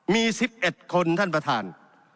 มี๑๑คนท่านประธาน